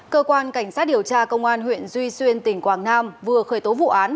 cơ quan cảnh sát điều tra công an huyện duy xuyên tỉnh quảng nam vừa khởi tố vụ án